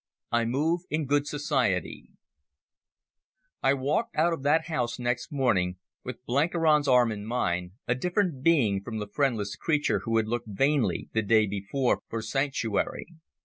I Move in Good Society I walked out of that house next morning with Blenkiron's arm in mine, a different being from the friendless creature who had looked vainly the day before for sanctuary.